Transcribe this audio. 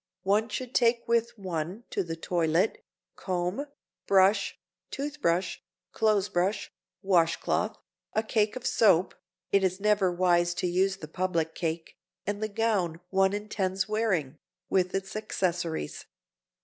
One should take with one to the toilet comb, brush, tooth brush, clothes brush, wash cloth, a cake of soap (it is never wise to use the public cake) and the gown one intends wearing, with its accessories.